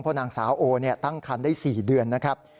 เพราะนางสาวโอตั้งคันได้๔เดือนนะครับ